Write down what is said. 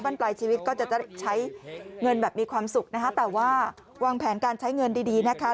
ปลายชีวิตก็จะใช้เงินแบบมีความสุขนะคะแต่ว่าวางแผนการใช้เงินดีดีนะคะ